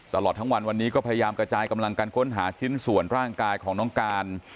ตลอดทั้งวันวันนี้ก็พยายามกระจายกำลังการค้นหาชิ้นส่วนร่างกายของน้องการ